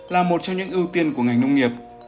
là một trong những ưu tiên của ngành nông nghiệp